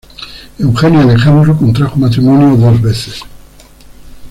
Eugenio Alejandro contrajo matrimonio dos veces.